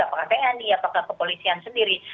apakah tni apakah kepolisian sendiri